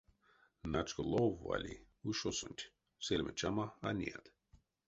Начко лов вали ушосонть, сельме-чама а неят.